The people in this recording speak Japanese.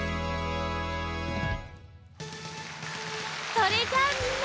それじゃあみんな！